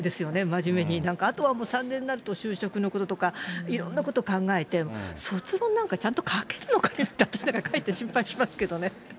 真面目に、なんかあとはもう３年になると、就職のこととか、いろんなこと考えて、卒論なんかちゃんと書けるのかって、私なんかかえって心配しますけどね。